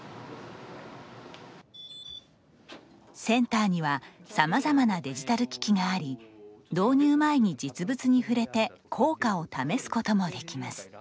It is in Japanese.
センターにはさまざまなデジタル機器があり導入前に実物に触れて効果を試すこともできます。